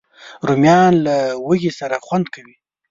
رومیان له هوږې سره خوند کوي